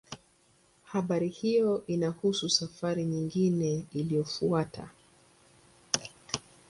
Habari hiyo inahusu safari nyingine iliyofuata.